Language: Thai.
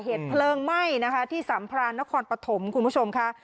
เหตุเพลิงไหม้นะคะที่สัมพรานนครปฐมคุณผู้ชมค่ะ